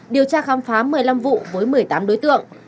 điều tra khám phá một mươi năm vụ với một mươi tám đối tượng